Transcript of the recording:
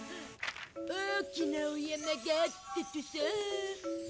大きなお山があったとさ。